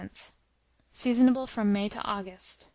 Seasonable from May to August.